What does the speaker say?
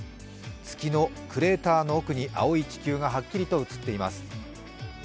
月のクレーターの奥に青い地球がはっきりと写っています。